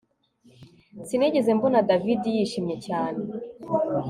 Sinigeze mbona David yishimye cyane